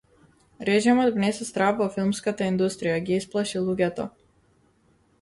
Режимот внесе страв во филмската индустрија, ги исплаши луѓето.